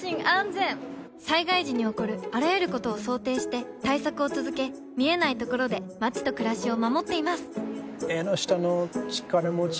災害時に起こるあらゆることを想定して対策を続け見えないところで街と暮らしを守っていますエンノシタノチカラモチ？